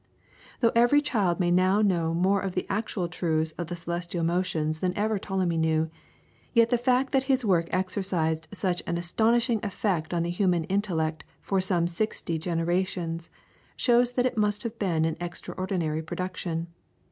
Though every child may now know more of the actual truths of the celestial motions than ever Ptolemy knew, yet the fact that his work exercised such an astonishing effect on the human intellect for some sixty generations, shows that it must have been an extraordinary production.